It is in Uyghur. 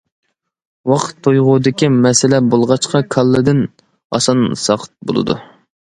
ۋاقىت تۇيغۇدىكى مەسىلە بولغاچقا كاللىدىن ئاسان ساقىت بولىدۇ.